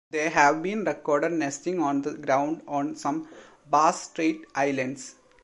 They have been recorded nesting on the ground on some Bass Strait Islands.